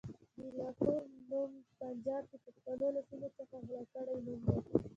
د لاهور نوم پنجاب د پښتنو له سيمو څخه غلا کړی نوم دی.